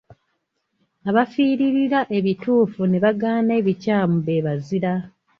Abaafiiririra ebituufu ne bagaana ebikyamu be bazira.